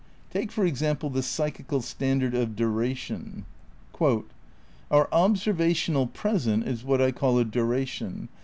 Take for example the psychical standard of duration : "Our observational 'present' is what I call a duration."